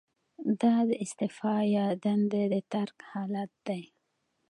دا د استعفا یا دندې د ترک حالت دی.